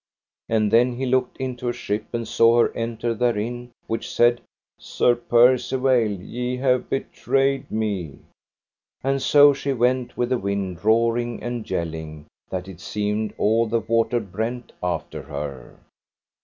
And then he looked into a ship, and saw her enter therein, which said: Sir Percivale, ye have betrayed me. And so she went with the wind roaring and yelling, that it seemed all the water brent after her.